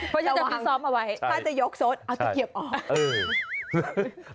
เพราะฉะนั้นจะมีซ้อมเอาไว้ถ้าจะยกโซดเอาตะเกียบออก